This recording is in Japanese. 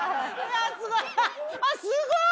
すごい。